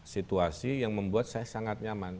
situasi yang membuat saya sangat nyaman